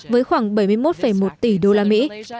với khoảng bảy mươi một một tỷ đô la mỹ